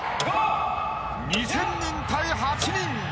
［２，０００人対８人］